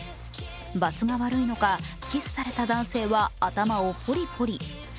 ばつが悪いのか、キスされた男性は頭をポリポリ。